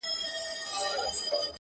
ستا په تصویر پسې اوس ټولي بُتکدې لټوم,